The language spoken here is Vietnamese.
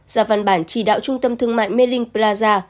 ra văn bản chỉ đạo trung tâm thương mại mê linh plaza